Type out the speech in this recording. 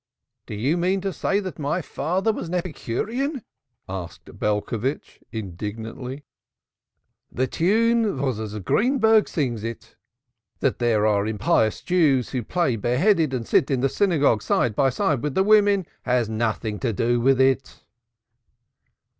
"Do you mean to say that my father was an Epicurean?" asked Belcovitch indignantly. "The tune was as Greenberg sings it. That there are impious Jews who pray bareheaded and sit in the synagogue side by side with the women has nothing to do with it."